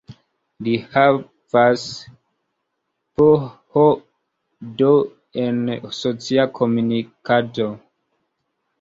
Li havas PhD en socia komunikado.